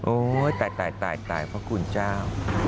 ตายตายพระคุณเจ้า